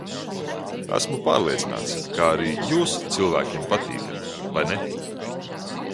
Esmu pārliecināts, ka arī jūs cilvēkiem patīkat, vai ne?